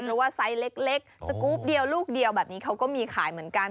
เพราะว่าไซส์เล็กสกรูปเดียวลูกเดียวแบบนี้เขาก็มีขายเหมือนกัน